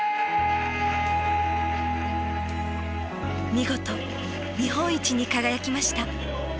見事日本一に輝きました。